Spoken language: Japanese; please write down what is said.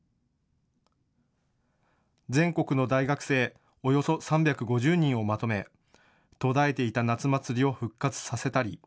全国の大学生およそ３５０人をまとめ、途絶えていた夏祭りを復活させたり。